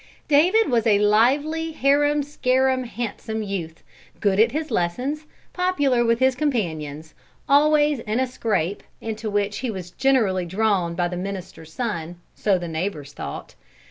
David was a lively, harum scarum, handsome youth, good at his lessons, popular with his companions, always in a scrape, into which he was generally drawn by the minister's son, so the neighbors thought.